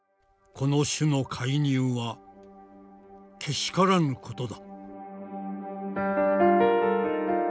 「この種の介入は怪しからぬことだ」。